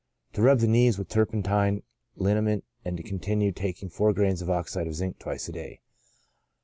To rub the knees with turpentine liniment, and to continue taking four grains of oxide of zinc twice a day."